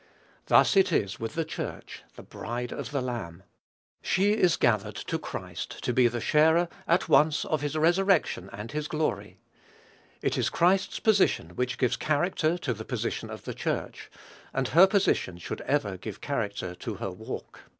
Thus it is with the Church, the bride of the Lamb. She is gathered to Christ to be the sharer, at once, of his rejection and his glory. It is Christ's position which gives character to the position of the Church, and her position should ever give character to her walk.